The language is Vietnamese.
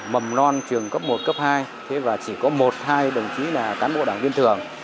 mầm non trường cấp một cấp hai và chỉ có một hai đồng chí là cán bộ đảng viên thường